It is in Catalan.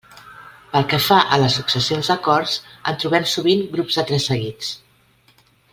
Pel que fa a les successions d'acords, en trobem sovint grups de tres seguits.